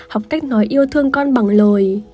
học cách nói yêu thương con bằng lời